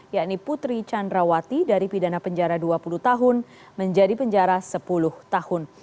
yakni putri candrawati dari pidana penjara dua puluh tahun menjadi penjara sepuluh tahun